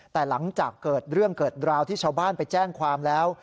แต่หลังจากเกิดเรื่องเกิดราวที่ชาวบ้านไปแจ้งความแล้ว